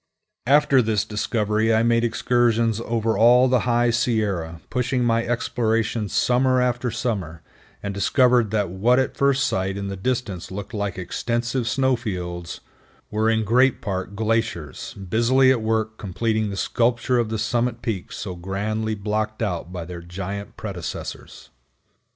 After this discovery, I made excursions over all the High Sierra, pushing my explorations summer after summer, and discovered that what at first sight in the distance looked like extensive snow fields, wore in great part glaciers, busily at work completing the sculpture of the summit peaks so grandly blocked out by their giant predecessors.